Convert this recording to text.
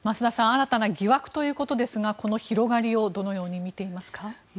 新たな疑惑ということですがこの広がりをどのように見ていますか？